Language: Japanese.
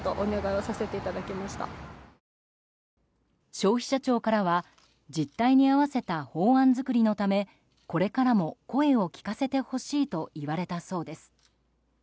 消費者庁からは実態に合わせた法案作りのためこれからも声を聞かせてほしいといわれたそうです。